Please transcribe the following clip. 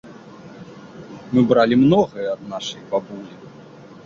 Мы бралі многае ад нашай бабулі.